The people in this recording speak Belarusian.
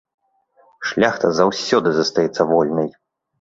Шляхта заўсёды застаецца вольнай!